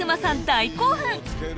大興奮！